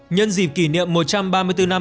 nhân dịp kỷ niệm một trăm ba mươi bốn năm